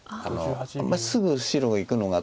すぐ白がいくのが。